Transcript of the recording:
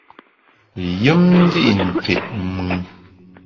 Yùm ndi’ fit mùn.